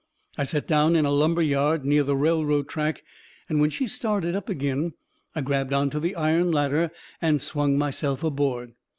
I set down in a lumber yard near the railroad track, and when she started up agin I grabbed onto the iron ladder and swung myself aboard.